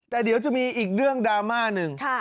แต่เดี๋ยวจะมีอีกเรื่องดราม่าหนึ่ง